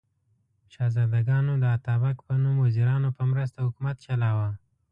شهزادګانو د اتابک په نوم وزیرانو په مرسته حکومت چلاوه.